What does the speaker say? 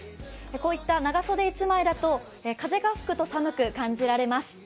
こういった長袖１枚だと風が吹くと寒く感じられます。